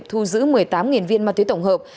thu giữ một mươi tám viên ma túy tổng hợp